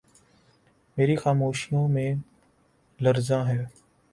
میری خاموشیوں میں لرزاں ہے